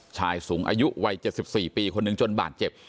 ชายสูงอายุวัย๗๔ปีคนหนึ่งจนบาดเจ็บ